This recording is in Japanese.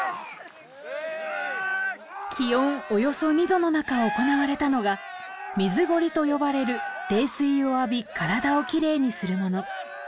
気温およそ２度のなか行われたのが水垢離と呼ばれる冷水を浴び体をきれいにするもの。